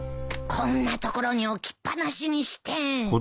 こんなところに置きっぱなしにして。